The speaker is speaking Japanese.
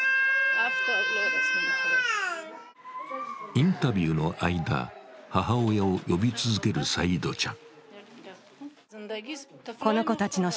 インタビューの間、母親を呼び続けるサイードちゃん。